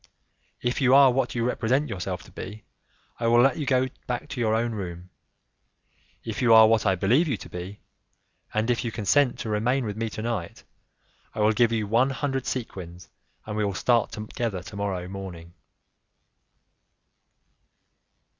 If you are what you represent yourself to be, I will let you go back to your own room; if you are what I believe you to be, and if you consent to remain with me to night, I will give you one hundred sequins, and we will start together tomorrow morning."